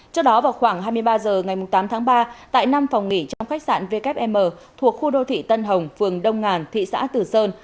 trước đó vào khoảng hai mươi ba h ngày tám tháng ba tại năm phòng nghỉ trong khách sạn wm thuộc khu đô thị tân hồng phường đông ngàn thị xã tử sơn